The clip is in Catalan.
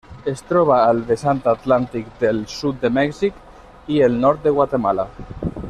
Es troba al vessant atlàntic del sud de Mèxic i el nord de Guatemala.